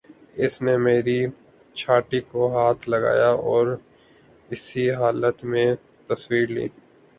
اس نے میری چھاتی کو ہاتھ لگایا اور اسی حالت میں تصویر لی